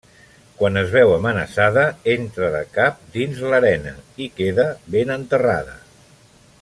Quan es veu amenaçada entra de cap dins l'arena i queda ben enterrada.